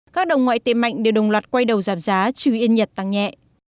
các đồng ngoại tệ mạnh đều đồng loạt quay đầu giảm giá trừ yên nhật tăng nhẹ